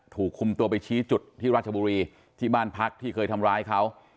ถูกคุมตัวไปชี้จุดที่ราชบุรีที่บ้านพักที่เคยทำร้ายเขา